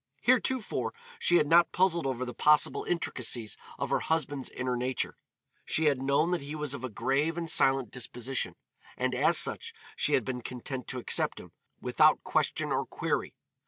Heretofore she had not puzzled over the possible intricacies of her husband's inner nature. She had known that he was of a grave and silent disposition, and as such she had been content to accept him, without question or query.